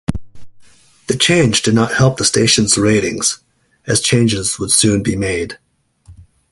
The change did not help the station's ratings, as changes would soon be made.